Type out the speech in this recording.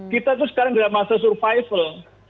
kita tuh sekarang dalam masa survival